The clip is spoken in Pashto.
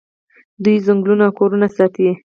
دوی ځنګلونه او کورونه ساتي.